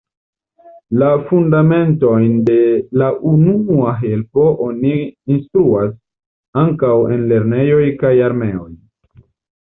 La fundamentojn de la unua helpo oni instruas ankaŭ en lernejoj kaj armeoj.